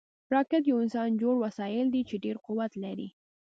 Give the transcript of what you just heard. راکټ یو انسانجوړ وسایل دي چې ډېر قوت لري